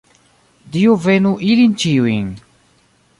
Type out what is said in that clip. Dio benu ilin ĉiujn!